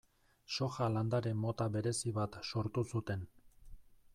Soja landare mota berezi bat sortu zuten.